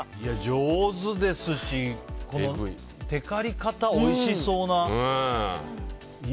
上手ですしテカり方、おいしそうな。